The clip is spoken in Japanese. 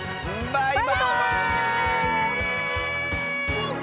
バイバーイ！